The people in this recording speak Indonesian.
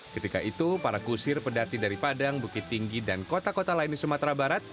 ketika itu para kusir pedati dari padang bukit tinggi dan kota kota lain di sumatera barat